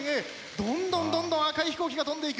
どんどんどんどん赤い飛行機が飛んでいく。